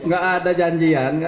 gak ada janjian